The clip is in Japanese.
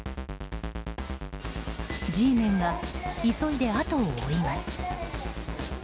Ｇメンが急いで後を追います。